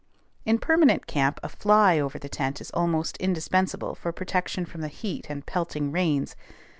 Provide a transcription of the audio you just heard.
In permanent camp a "fly" over the tent is almost indispensable for protection from the heat and pelting rains.